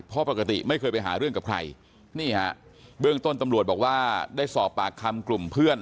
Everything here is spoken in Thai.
เพราะปกติไม่เคยไปหาเรื่องกับใครนี่ฮะเบื้องต้นตำรวจบอกว่าได้สอบปากคำกลุ่มเพื่อน